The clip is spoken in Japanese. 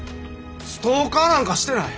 ストーカーなんかしてない！